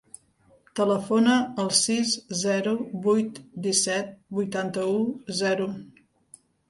Telefona al sis, zero, vuit, disset, vuitanta-u, zero.